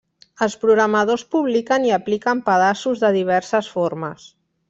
Els programadors publiquen i apliquen pedaços de diverses formes.